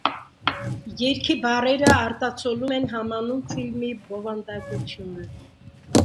Երգի բառերը արտացոլում են համանուն ֆիլմի բովանդակությունը։